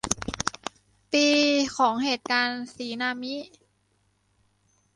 ปีของเหตุการณ์สีนามิ